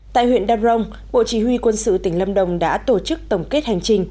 tại huyện đam rồng bộ chỉ huy quân sự tỉnh lâm đồng đã tổ chức tổng kết hành trình